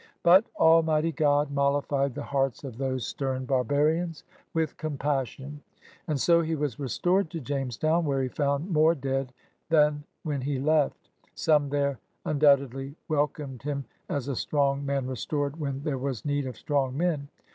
But "Almighty God mollified the hearts of those steme barbarians with compassion." And so he was restored to Jamestown, where he found more dead than when he left. Some there imdoubt edly welcomed him as a strong man restored when there was need of strong men.